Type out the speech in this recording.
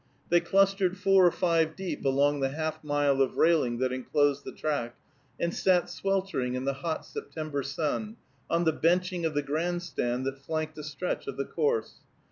They clustered four or five deep along the half mile of railing that enclosed the track, and sat sweltering in the hot September sun, on the benching of the grandstand that flanked a stretch of the course.